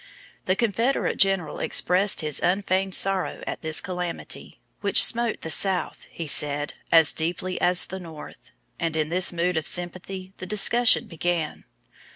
The Confederate general expressed his unfeigned sorrow at this calamity, which smote the South, he said, as deeply as the North; and in this mood of sympathy the discussion began.